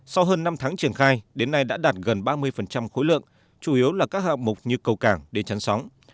sau hơn năm tháng triển khai đến nay đã đạt gần ba mươi khối lượng chủ yếu là các hạng mục như cầu cảng đê chắn sóng